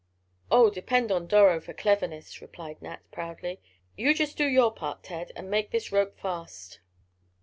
"Oh, depend on Doro for cleverness," replied Nat, proudly. "You just do your part, Ted, and make this rope fast."